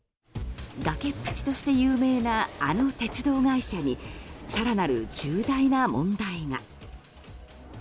崖っぷちとして有名なあの鉄道会社に更なる重大な問題が。